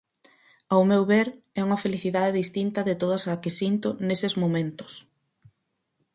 Ao meu ver, é unha felicidade distinta de todas a que sinto neses momentos.